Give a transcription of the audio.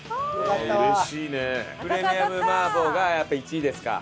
プレミアム麻婆がやっぱ１位ですか？